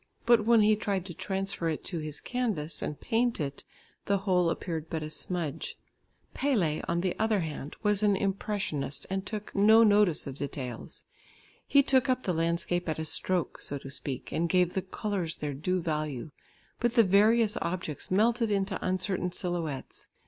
But when he tried to transfer it to his canvas and paint it, the whole appeared but a smudge. Pelle, on the other hand, was an impressionist and look no notice of details. He took up the landscape at a stroke, so to speak, and gave the colours their due value, but the various objects melted into uncertain silhouettes.